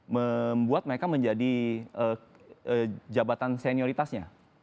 membuat mereka menjadi jabatan senioritasnya